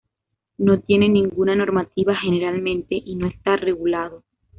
No tiene ninguna normativa generalmente y no esta regulado.